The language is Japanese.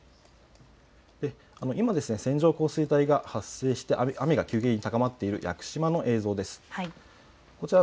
今、線状降水帯が発生して雨が急激に降っている屋久島の状況です。